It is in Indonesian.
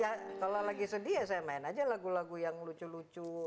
ya kalau lagi sedih ya saya main aja lagu lagu yang lucu lucu